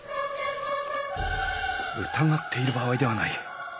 疑っている場合ではない。